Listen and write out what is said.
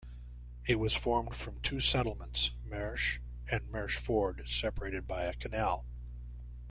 It was formed from two settlements, "Merche" and "Mercheford", separated by a canal.